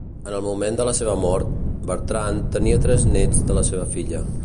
En el moment de la seva mort, Bertrand tenia tres nets de la seva filla.